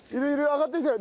上がってきてる。